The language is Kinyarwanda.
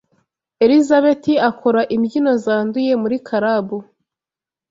Elizabeti akora imbyino zanduye muri karabu